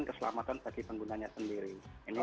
tetapi juga tidak mengganggu atau tidak membahayakan